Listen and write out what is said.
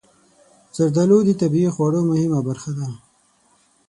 زردالو د طبعي خواړو مهمه برخه ده.